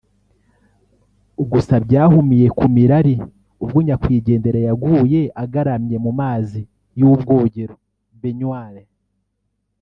Gusa byahumiye ku mirari ubwo nyakwigendera yaguye agaramye mu mazi y’ubwogero(baignoire)